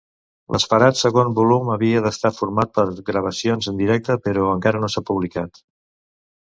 L'esperat segon volum havia d'estar format per gravacions en directe, però encara no s'ha publicat.